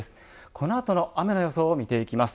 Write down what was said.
この後の雨の予想を見ていきます。